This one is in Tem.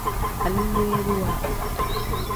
Aleleeriwa.